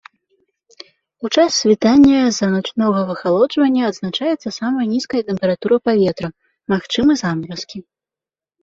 У час світання з-за начнога выхалоджвання адзначаецца самая нізкая тэмпература паветра, магчымы замаразкі.